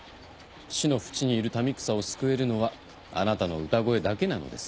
死の淵にいる民草を救えるのはあなたの歌声だけなのです。